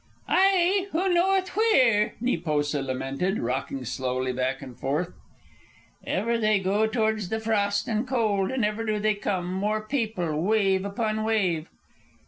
"Ai! Who knoweth where?" Neepoosa lamented, rocking slowly back and forth. "Ever they go towards the frost and cold; and ever do they come, more people, wave upon wave!"